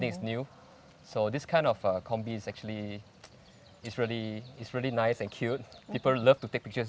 ini adalah perjanjian rahasia kita